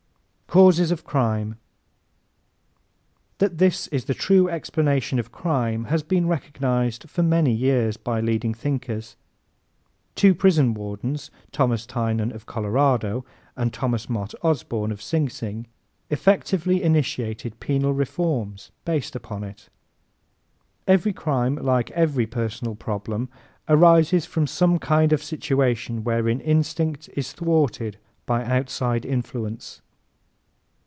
Causes of Crime ¶ That this is the true explanation of crime has been recognized for many years by leading thinkers. Two prison wardens Thomas Tynan of Colorado and Thomas Mott Osborne of Sing Sing effectively initiated penal reforms based upon it. Every crime, like every personal problem, arises from some kind of situation wherein instinct is thwarted by outside influence.